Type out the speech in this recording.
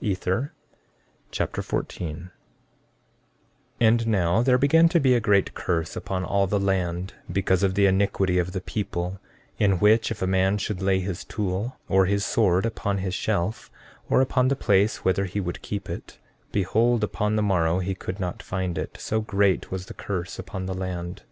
Ether Chapter 14 14:1 And now there began to be a great curse upon all the land because of the iniquity of the people, in which, if a man should lay his tool or his sword upon his shelf, or upon the place whither he would keep it, behold, upon the morrow, he could not find it, so great was the curse upon the land.